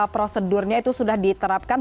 prosedurnya itu sudah diterapkan